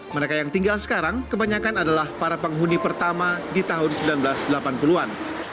mereka yang tinggal sekarang kebanyakan adalah para penghuni pertama di tahun seribu sembilan ratus delapan puluh an